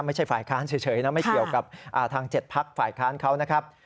ฝ่ายค้านเฉยนะไม่เกี่ยวกับทาง๗พักฝ่ายค้านเขานะครับ